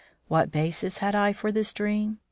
What basis had I for this dream?